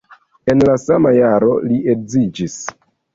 En la sama jaro li edziĝis.